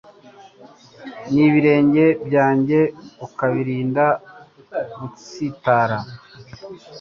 n’ibirenge byanjye ukabirinda gutsitara